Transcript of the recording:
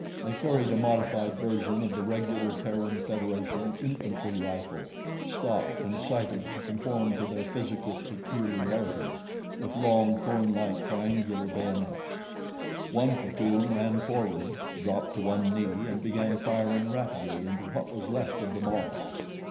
They carried a modified version of the regular Terran Federation infantry rifle, stocked and sighted to conform to their physical peculiarities, with long, thorn like, triangular bayonets. One platoon ran forward, dropped to one knee, and began firing rapidly into what was left of the mob.